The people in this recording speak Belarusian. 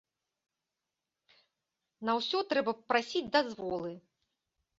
На ўсё трэба прасіць дазволы.